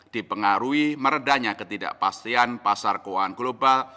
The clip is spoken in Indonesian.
dipengaruhi meredanya ketidakpastian pasar keuangan global